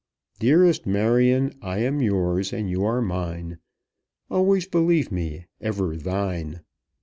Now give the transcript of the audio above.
'Dearest Marion, I am yours, and you are mine. Always believe me ever thine.'